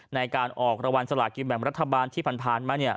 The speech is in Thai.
ในการออกรางวัลสลากินแบ่งรัฐบาลที่ผ่านมาเนี่ย